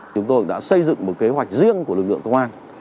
chúng tôi đã xây dựng một kế hoạch riêng của lực lượng công an